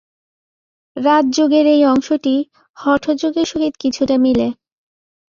রাজযোগের এই অংশটি হঠযোগের সহিত কিছুটা মিলে।